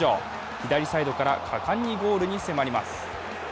左サイドから果敢にゴールに迫ります。